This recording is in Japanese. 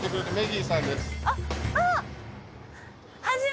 あっあぁ！